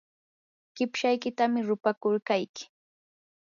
qipshaykitam rupakurqayki.